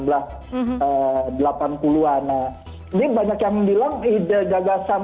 jadi banyak yang bilang gagasan